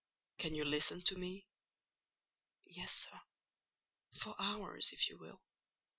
Can you listen to me?" "Yes, sir; for hours if you will."